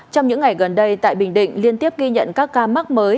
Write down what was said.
trong những ngày gần đây tại bình định liên tiếp ghi nhận các ca mắc mới